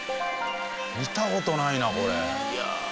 見た事ないなこれ。